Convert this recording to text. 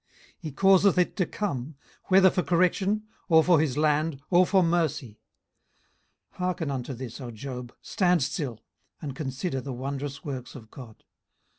18:037:013 He causeth it to come, whether for correction, or for his land, or for mercy. 18:037:014 Hearken unto this, O Job: stand still, and consider the wondrous works of God.